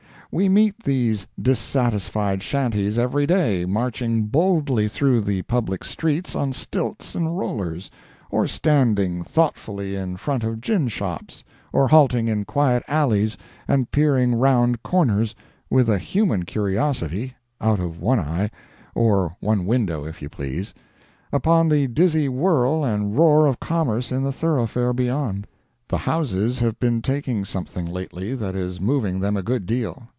We meet these dissatisfied shanties every day marching boldly through the public streets on stilts and rollers, or standing thoughtfully in front of gin shops, or halting in quiet alleys and peering round corners, with a human curiosity, out of one eye, or one window if you please, upon the dizzy whirl and roar of commerce in the thoroughfare beyond. The houses have been taking something lately that is moving them a good deal.